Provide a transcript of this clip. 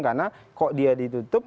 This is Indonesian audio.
karena kok dia ditutup